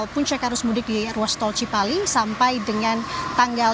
puncak arus mudik di ruas tol cipali sampai dengan tanggal